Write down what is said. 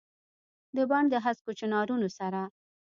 دبڼ دهسکو چنارونو سره ،